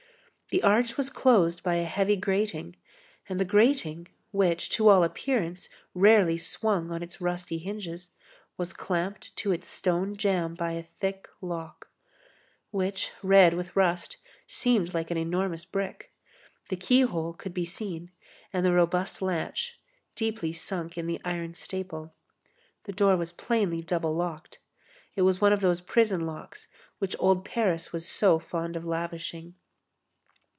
The arch was closed by a heavy grating, and the grating, which, to all appearance, rarely swung on its rusty hinges, was clamped to its stone jamb by a thick lock, which, red with rust, seemed like an enormous brick. The keyhole could be seen, and the robust latch, deeply sunk in the iron staple. The door was plainly double locked. It was one of those prison locks which old Paris was so fond of lavishing.